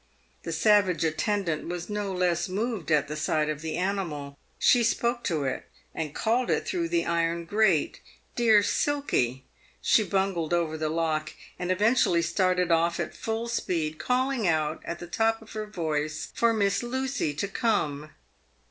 The savage attendant was no less moved at the sight of the animal. She spoke to it, and called it through the iron grate " dear Silky," she bungled over the lock, and eventually started off at full speed, calling out at the top of her voice for Miss Lucy to come.